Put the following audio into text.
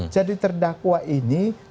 jadi terdakwa ini